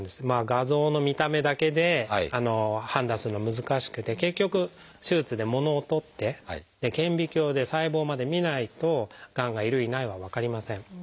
画像の見た目だけで判断するのは難しくて結局手術でものを取って顕微鏡で細胞までみないとがんがいるいないは分かりません。